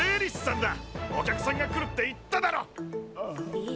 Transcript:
えっ？